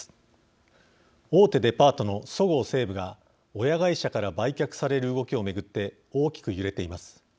大手デパートのそごう・西武が親会社から売却される動きを巡って大きく揺れています。